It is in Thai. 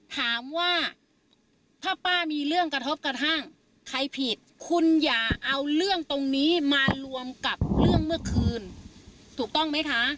ถามว่าถ้าป้ามีเรื่องกระทบกระทั่ง